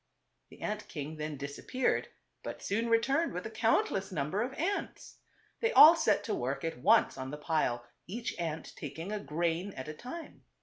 The ant king then disappeared, but soon re turned with a countless number of ants. They all set to work at once on the pile, each ant tak ing a grain at a time.